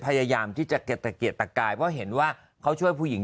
พยายามที่จะเกลียดตะกายเพราะเห็นว่าเขาช่วยผู้หญิง